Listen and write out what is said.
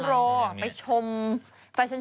ปล่อยให้เบลล่าว่าง